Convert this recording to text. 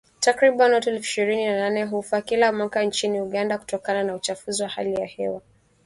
Takriban watu elfu ishirini na wanane hufa kila mwaka nchini Uganda kutokana na uchafuzi wa hali ya hewa